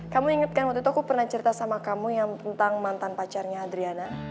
kamu ingatkan waktu itu aku pernah cerita sama kamu yang tentang mantan pacarnya adriana